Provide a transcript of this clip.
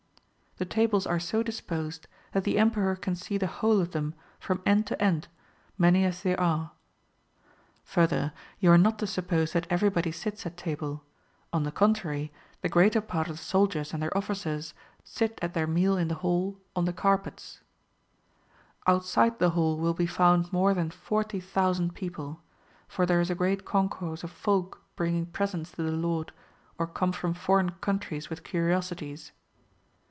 The tables are so disposed that the Emperor can see the whole of them from end to end, many as they are.^ [Further, you are not to suppose that every body sits at table ; on the contrary, the greater part of the soldiers and their officers sit at their meal in the hall 382 MARCO POLO Bock II. on the carpets.] Outside the hall will be found more than 40,000 people ; for there is a great concourse of folk bringing presents to the Lord, or come from foreign countries with curiosities.